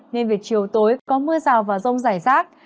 nên việc chiều tối có mưa rào và rông giải rác